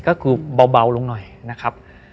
ก็คือเบาลงหน่อยนะครับ